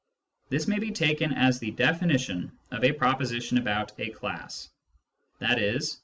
This may be taken as the definition of a proposition about a class. I.e.